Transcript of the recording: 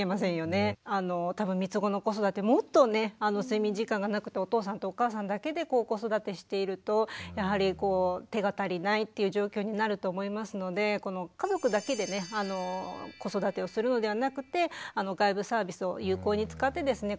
多分みつごの子育てもっとね睡眠時間がなくてお父さんとお母さんだけで子育てしているとやはり手が足りないっていう状況になると思いますので外部サービスを有効に使ってですね